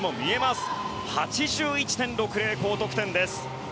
８１．６０と高得点です。